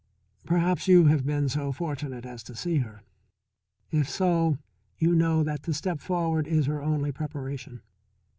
Perhaps you have been so fortunate as to see her. If so you know that to step forward is her only preparation.